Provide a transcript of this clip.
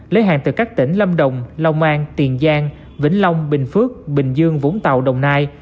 lấy hàng từ các tỉnh lâm đồng lòng an tiền giang vĩnh long bình phước bình dương vũng tàu đồng nai